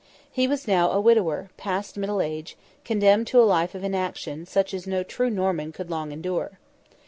He was now a widower, past middle age, condemned to a life of inaction such as no true Norman could long endure.